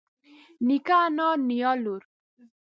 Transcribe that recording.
نيکه انا نيا لور